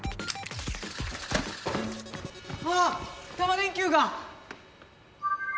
あっタマ電Ｑが！